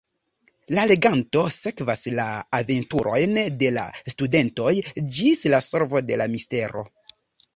La leganto sekvas la aventurojn de la studentoj ĝis la solvo de la mistero.